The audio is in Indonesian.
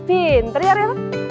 pinter ya riana